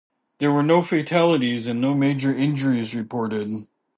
There were no fatalities and no major injuries reported.